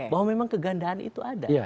bahwa memang kegandaan itu ada